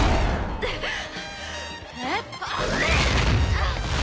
あっ！